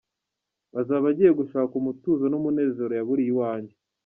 Azaba agiye gushaka umutuzo n’umunezero yaburiye iwanjye.